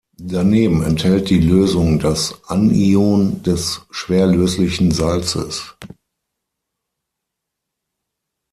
Daneben enthält die Lösung das Anion des schwerlöslichen Salzes.